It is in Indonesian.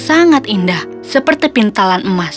sangat indah seperti pintalan emas